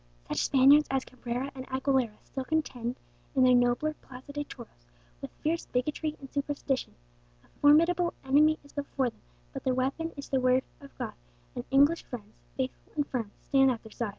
Such Spaniards as Cabrera and Aguilera still contend in their nobler Plaza de Toros with fierce bigotry and superstition: a formidable enemy is before them; but their weapon is the Word of God, and English friends, faithful and firm, stand at their side.